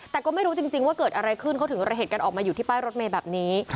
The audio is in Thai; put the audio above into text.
แต่ก็ไม่รู้จริงว่าเกิดอะไรขึ้นเขาถึงระเหตุกันออกมาอยู่ที่ป้ายรถเมย์แบบนี้